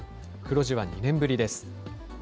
黒字は２年ぶりです。